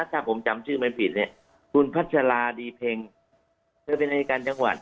ถ้าผมจำชื่อไม่ผิดเนี่ยคุณพัชราดีเพ็งเธอเป็นอายการจังหวัด